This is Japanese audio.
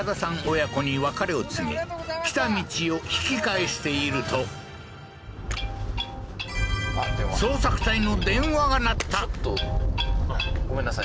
母娘に別れを告げ来た道を引き返していると捜索隊の電話が鳴ったごめんなさい